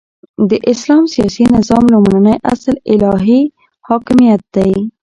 د اسلام سیاسی نظام لومړنی اصل الهی حاکمیت دی،